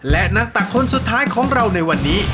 และนักตักคนสุดท้ายของเราในวันนี้